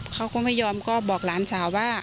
เขาก็ไม่ยอมก็บอกหลานสาวว่า